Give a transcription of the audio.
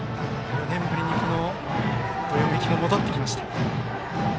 ４年ぶりにどよめきも戻ってきました。